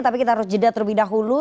tapi kita harus jeda terlebih dahulu